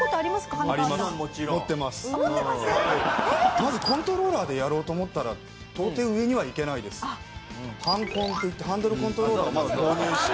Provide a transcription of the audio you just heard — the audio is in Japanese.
まずコントローラーでやろうと思ったらハンコンっていってハンドルコントローラーをまず購入して。